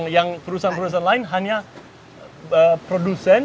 yang perusahaan perusahaan lain hanya produsen